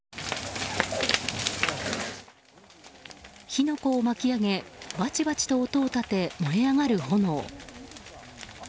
火の粉を巻き上げバチバチと音を立て燃え上がるの炎。